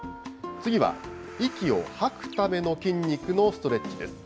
次は、息を吐くための筋肉のストレッチです。